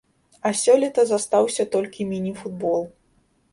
А сёлета застаўся толькі міні-футбол.